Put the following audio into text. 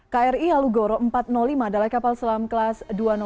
kri alugoro empat ratus lima adalah kapal selam kelas dua sembilan satu empat